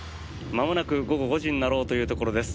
まもなく午後５時になろうというところです。